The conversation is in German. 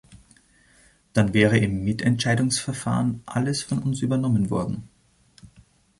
Dann wäre im Mitentscheidungsverfahren alles von uns übernommen worden.